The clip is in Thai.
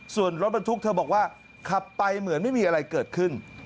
ส่วนรถบรรทุกเธอบอกว่าขับไปเหมือนไม่มีอะไรเกิดขึ้น